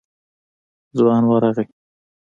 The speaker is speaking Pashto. ځوان ورغی.